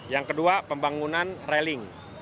yang kedua pembangunan reling